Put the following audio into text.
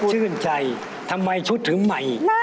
ชื่นใจทำไมชุดถึงใหม่